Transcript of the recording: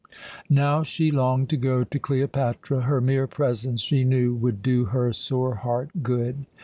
Now she longed to go to Cleopatra. Her mere presence, she knew, would do her sore heart good.